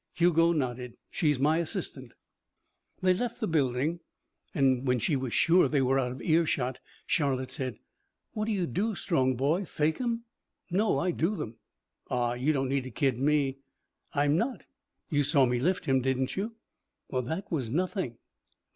Hugo nodded. "She's my assistant." They left the building, and when she was sure they were out of earshot, Charlotte said: "What do you do, strong boy, fake 'em?" "No. I do them." "Aw you don't need to kid me." "I'm not. You saw me lift him, didn't you? Well that was nothing."